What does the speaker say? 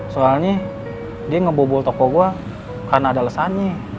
soalnya dia ngebobol toko gue karena ada lesannya